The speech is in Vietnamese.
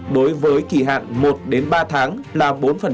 đối với kỳ hạn một ba tháng là bốn